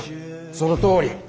そのとおり。